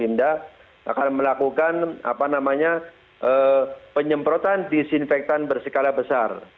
saya dan pak bimda akan melakukan penyemprotan disinfektan bersikala besar